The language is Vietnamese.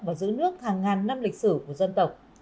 và giữ nước hàng ngàn năm lịch sử của dân tộc